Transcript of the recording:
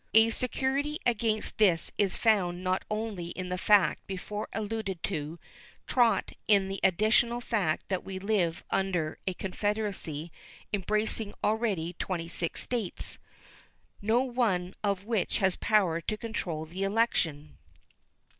A security against this is found not only in the fact before alluded to, trot in the additional fact that we live under a Confederacy embracing already twenty six States, no one of which has power to control the election.